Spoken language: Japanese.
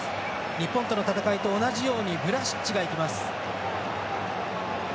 日本との戦いと同じようにブラシッチがいきます。